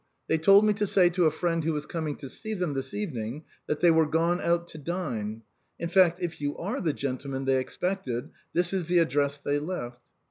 They told me to say to a friend who was coming to see them this evening, that they were gone out to dine. In fact, if you are the gentleman they expected, this is the address they left."